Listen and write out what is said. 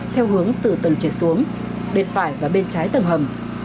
theo hướng từ tầng trệt xuống bên phải và bên trái tầng hầm